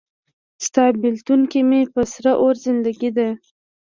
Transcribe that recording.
ستا بیلتون کې مې په سره اور زندګي ده